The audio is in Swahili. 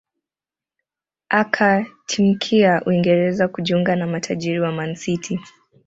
Akatimkia Uingereza kujiunga na matajiri wa Man City